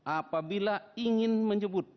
apabila ingin menyebut